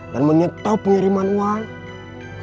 dan menyetop pengiriman uang